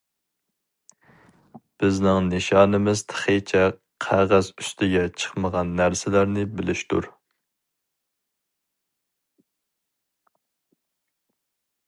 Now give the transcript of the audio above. بىزنىڭ نىشانىمىز تېخىچە قەغەز ئۈستىگە چىقمىغان نەرسىلەرنى بىلىشتۇر.